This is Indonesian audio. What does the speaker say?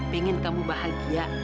pengen kamu bahagia